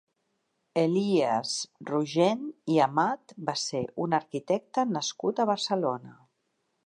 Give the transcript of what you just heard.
Elies Rogent i Amat va ser un arquitecte nascut a Barcelona.